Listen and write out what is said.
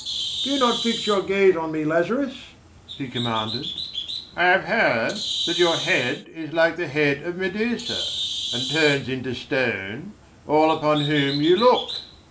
"Do not fix your gaze on me, Lazarus," he commanded. "I have heard that your head is like the head of Medusa, and turns into stone all upon whom you look.